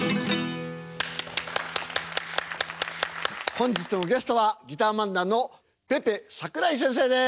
本日のゲストはギター漫談のぺぺ桜井先生です。